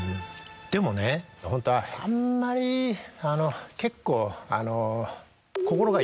でもねホントはあんまり結構あの。